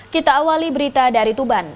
kita awali berita dari tuban